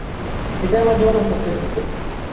এইটাই আমার জীবনের সবচেয়ে সুখের দিন।